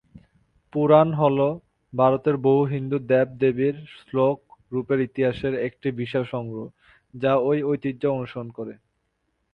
পুরাণ হল ভারতের বহু হিন্দু দেব-দেবীর শ্লোক-রূপের ইতিহাসের একটি বিশাল সংগ্রহ, যা এই ঐতিহ্য অনুসরণ করে।